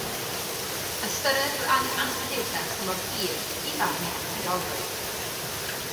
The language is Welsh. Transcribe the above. Ystyrir bod angen astudiaethau tymor hir i farnu effeithiolrwydd.